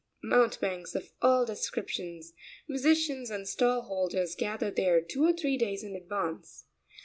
Mountebanks of all descriptions, musicians, and stall holders gather there two or three days in advance.